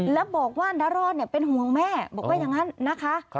แล้วบอกว่านรอดเป็นห่วงแม่บอกว่าอย่างนั้นนะคะ